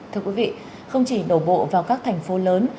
thưa quý vị không chỉ đổ bộ vào các thành phố lớn